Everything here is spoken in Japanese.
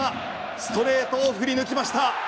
ストレートを振り抜きました。